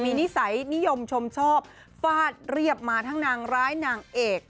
มีนิสัยนิยมชมชอบฟาดเรียบมาทั้งนางร้ายนางเอก